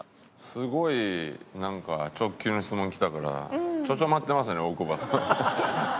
すごいなんか直球の質問来たからちょちょまってますね大久保さん。